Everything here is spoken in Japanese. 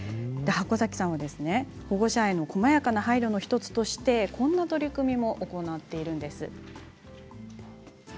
箱崎さんは保護者へのこまやかな配慮の１つとしてこんな取り組みも行っているんです。